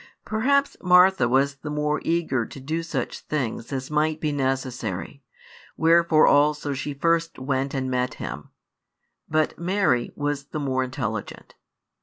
Perhaps Martha was the more eager to do such things as might be necessary; wherefore also she first went and met Him: but Mary was the more intelligent.